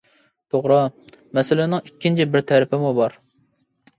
توغرا، مەسىلىنىڭ ئىككىنچى بىر تەرىپىمۇ بار.